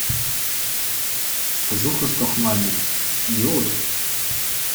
Versuch es doch mal mit Iod.